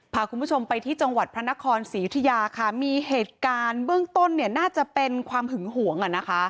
พาคุณผู้ชมไปที่จังหวัดพระนครศรียุธยาค่ะมีเหตุการณ์เบื้องต้นเนี่ยน่าจะเป็นความหึงหวง